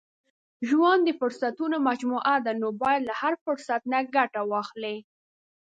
• ژوند د فرصتونو مجموعه ده، نو باید له هر فرصت نه ګټه واخلې.